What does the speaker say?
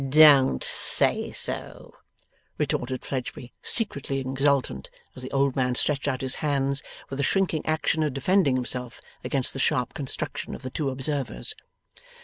'Don't say so,' retorted Fledgeby, secretly exultant as the old man stretched out his hands, with a shrinking action of defending himself against the sharp construction of the two observers.